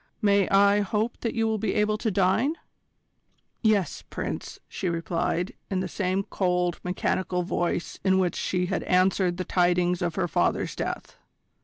May I hope that you will be able to dine?" "Yes, Prince," she replied, in the same cold, mechanical voice in which she had answered the tidings of her father's death.